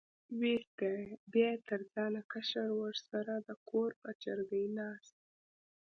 وې ستایه، بیا یې تر ځانه کشر ورسره د کور په چرګۍ ناست.